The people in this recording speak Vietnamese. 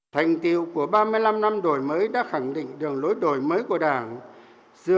thành tiêu của ba mươi năm năm đổi mới đã khẳng định đường lối đổi mới của đảng